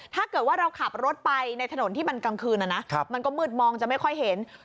ถ้าเกิดว่าเราขับรถไปในถนนที่มันกลางคืนมันก็มืดมองจะไม่ค่อยเห็น